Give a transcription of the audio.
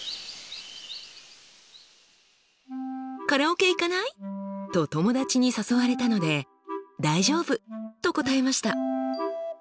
「カラオケ行かない？」と友達に誘われたので「大丈夫」と答えました。